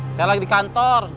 saya lagi di kantor